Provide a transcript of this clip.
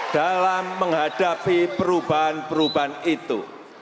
dalam menghadapi perubahan perubahan itu